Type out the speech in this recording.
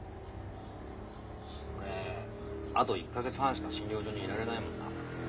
俺あと１か月半しか診療所にいられないもんな。